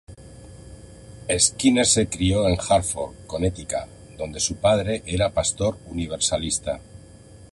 Skinner se crio en Hartford, Connecticut, donde su padre era pastor Universalista.